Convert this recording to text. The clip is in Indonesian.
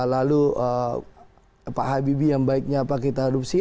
lalu pak habibie yang baiknya apa kita adopsi